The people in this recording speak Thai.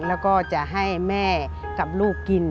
แล้วก็จะให้แม่กับลูกกิน